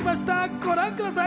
ご覧ください。